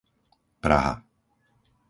Praha